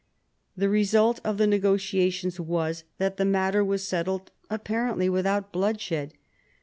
The result of the negotia tions was that the matter was settled, apparently without bloodshed.